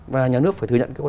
và nhà nước phải thừa nhận